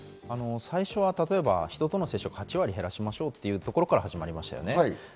最初は人との接触を８割減らしましょうというところから始まりました。